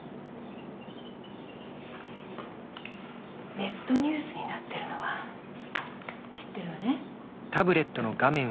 ネットニュースになってるのは知ってるわね？